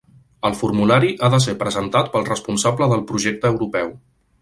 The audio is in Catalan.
El Formulari ha de ser presentat pel responsable del projecte europeu.